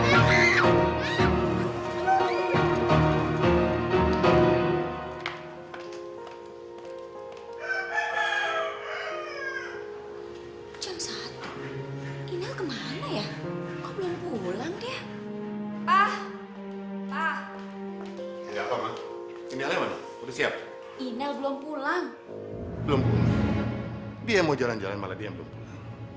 belum pulang dia mau jalan jalan malah dia yang belum pulang